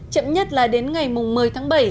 chậm nhất là đến ngày một mươi tháng bảy